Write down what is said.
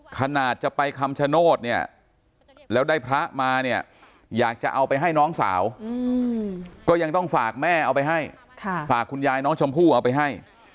ขนาดจะไปคำชโนธเนี่ยแล้วได้พระมาเนี่ยอยากจะเอาไปให้น้องสาวก็ยังต้องฝากแม่เอาไปให้ฝากคุณยายน้องชมพู่เอาไปให้